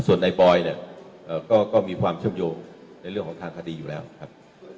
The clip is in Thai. ส่วนในบอยเนี่ยก็มีความเชื่อมโยงในเรื่องของทางคดีอยู่แล้วครับ